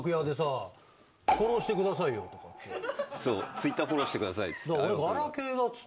ツイッターフォローしてくださいっつって。